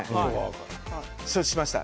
承知しました。